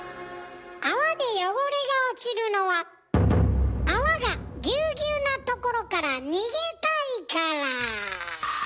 泡で汚れが落ちるのは泡がぎゅうぎゅうなところから逃げたいから。